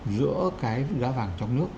giữa cái giá vàng trong nước